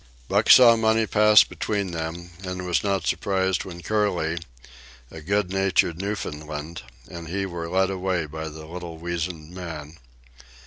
Buck saw money pass between them, and was not surprised when Curly, a good natured Newfoundland, and he were led away by the little weazened man.